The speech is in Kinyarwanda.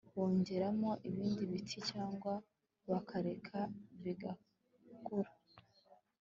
bongeramo ibindi biti cyangwa bakareka bigakura